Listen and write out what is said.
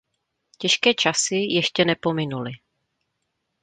Těžké časy ještě nepominuly.